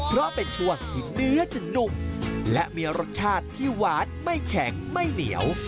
เพราะเป็นช่วงที่เนื้อจะหนุ่มและมีรสชาติที่หวานไม่แข็งไม่เหนียว